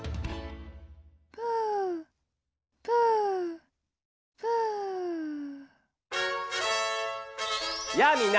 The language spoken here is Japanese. プープープーやあみんな！